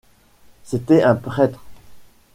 C’était un prêtre.